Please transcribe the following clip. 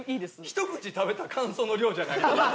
ひと口食べた感想の量じゃない。